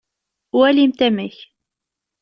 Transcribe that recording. Walimt amek.